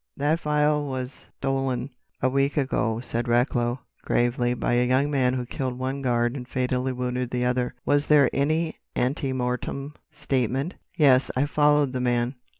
"That vial was stolen a week ago," said Recklow gravely, "by a young man who killed one guard and fatally wounded the other." "Was there any ante mortem statement?" "Yes. I've followed the man.